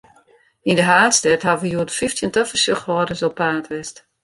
Yn de haadstêd hawwe hjoed fyftjin tafersjochhâlders op paad west.